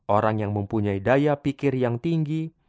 orang yang mempunyai daya pikir yang tinggi